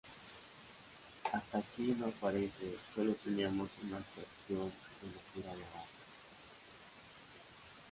Hasta aquí no aparece, solo teníamos una abstracción de lo que era el bajo.